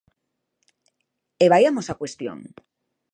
E vaiamos á cuestión.